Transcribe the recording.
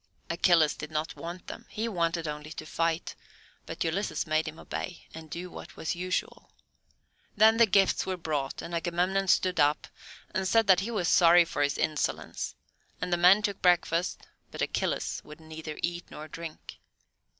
Achilles did not want them; he wanted only to fight, but Ulysses made him obey, and do what was usual. Then the gifts were brought, and Agamemnon stood up, and said that he was sorry for his insolence, and the men took breakfast, but Achilles would neither eat nor drink.